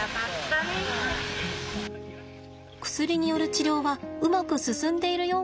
薬による治療はうまく進んでいるように見えました。